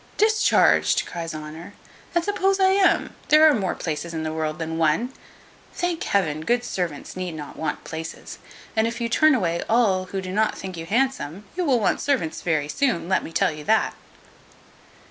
"Discharged!" cries Honour; "and suppose I am: there are more places in the world than one. Thank Heaven, good servants need not want places; and if you turn away all who do not think you handsome, you will want servants very soon; let me tell you that."